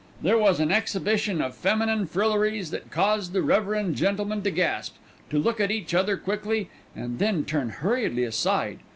There was an exhibition of feminine frilleries that caused the reverend gentlemen to gasp, to look at each other quickly and then turn hurriedly aside.